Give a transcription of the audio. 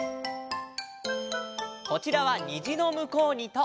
こちらは「にじのむこうに」と。